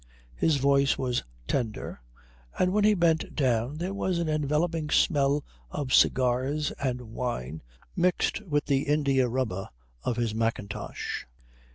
His voice was tender, and when he bent down there was an enveloping smell of cigars and wine, mixed with the india rubber of his mackintosh.